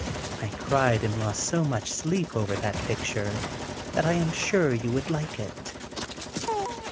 I cried and lost so much sleep over that picture, that I am sure you would like it.